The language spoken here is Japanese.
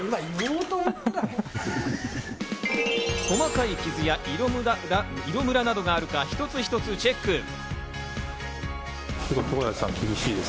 細かい傷や、色ムラなどがあるか一つ一つチェック。